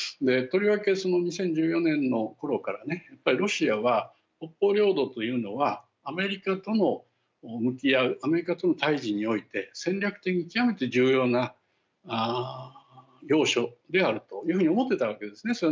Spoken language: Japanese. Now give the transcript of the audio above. とりわけ２０１４年のころからロシアは北方領土というのはアメリカとも向き合うアメリカとの対じにおいて戦略的に極めて重要な要所であるというふうに思っていたわけですね。